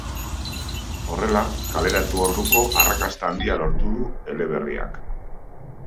Horrela, kaleratu orduko arrakasta handia lortu du eleberriak.